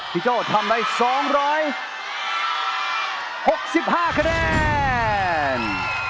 พี่เจ้าทำอะไร๒๖๕คะแนน